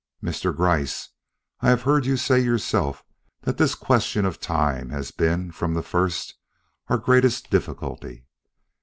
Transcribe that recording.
"Mr. Gryce, I have heard you say yourself that this question of time has been, from the first, our greatest difficulty.